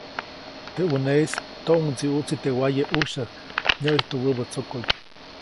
Teʼ ʼuneʼis toʼŋdsiʼuʼtsi teʼ waye ʼujsyäjk, nyäʼijtu wäbä tsokoʼy.